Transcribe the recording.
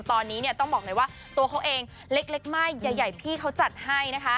ตอนนี้ต้องบอกเลยว่าตัวเขาเองเล็กไม่ใหญ่พี่เขาจัดให้นะคะ